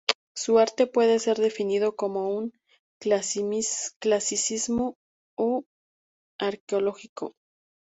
Su arte puede ser definido como un "clasicismo arqueológico".